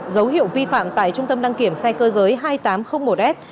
dấu hiệu vi phạm tại trung tâm đăng kiểm xe cơ giới hai nghìn tám trăm linh một s